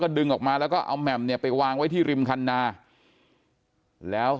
ดึงออกมาแล้วก็เอาแหม่มเนี่ยไปวางไว้ที่ริมคันนาแล้ว